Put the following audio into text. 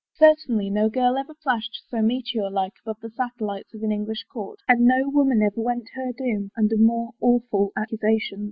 Certainly no girl ever flashed so meteor like above the satellites of an English court, and no woman ever went to her doom under more awful accusations.